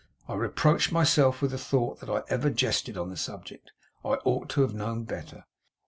I reproach myself with the thought that I ever jested on the subject; I ought to have known better.